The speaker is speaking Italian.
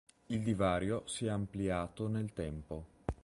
Il divario si è ampliato nel tempo.